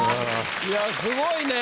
いやすごいね。